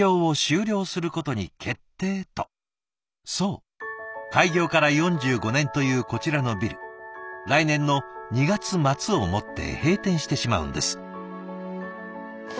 そう開業から４５年というこちらのビル来年の２月末をもって閉店してしまうんです。